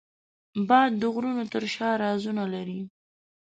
باد د غرونو تر شا رازونه لري